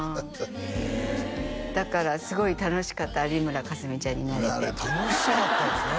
へえだからすごい楽しかった有村架純ちゃんになれて楽しかったんですね